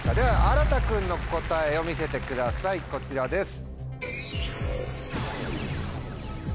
あらた君の答えを見せてくださいこちらです。